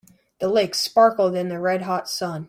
The lake sparkled in the red hot sun.